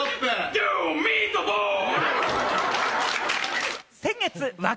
ドゥーン、ミートボール！